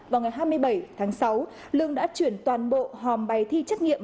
vào ngày hai mươi bảy tháng sáu lương đã chuyển toàn bộ hòm bài thi trắc nghiệm